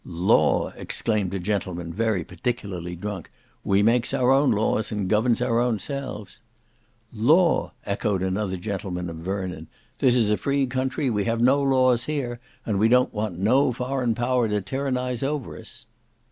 "Law!" exclaimed a gentleman very particularly drunk, "we makes our own laws, and governs our own selves." "Law!" echoed another gentleman of Vernon, "this is a free country, we have no laws here, and we don't want no foreign power to tyrannize over us."